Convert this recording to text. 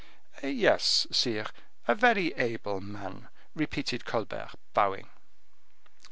"Yes, sire, a very able man," repeated Colbert, bowing.